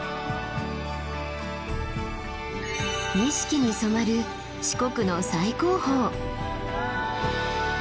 錦に染まる四国の最高峰。